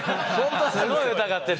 すごい疑ってる。